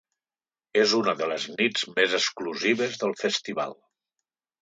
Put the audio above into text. És una de les nits més exclusives del festival.